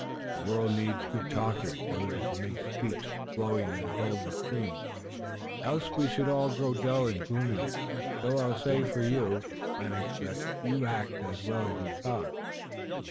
The world needs good talkers, those who can make speech flow in a golden stream, else we should all grow dull and gloomy, though I will say for you, O Lennox, that you act as well as talk.